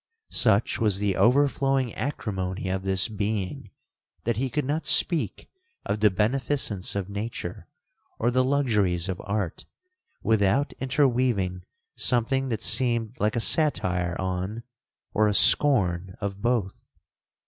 (Such was the over flowing acrimony of this being, that he could not speak of the beneficence of nature, or the luxuries of art, without interweaving something that seemed like a satire on, or a scorn of both.)